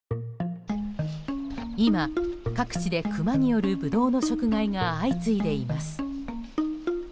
今、各地でクマによるブドウの食害が相次いでいます。